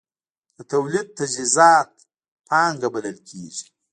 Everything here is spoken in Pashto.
د تولید تجهیزات پانګه بلل کېږي.